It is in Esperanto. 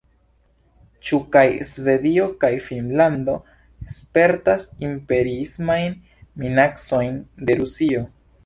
Ĉu kaj Svedio kaj Finnlando spertas imperiismajn minacojn de Rusio?